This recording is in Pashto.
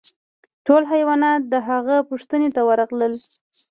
ټول حیوانات د هغه پوښتنې ته ورغلل.